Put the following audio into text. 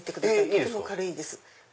とても軽いです。